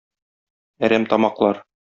Әрәмтамаклар!